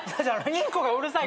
インコがうるさい。